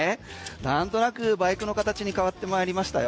何となくバイクの形に変わってまいりましたよ。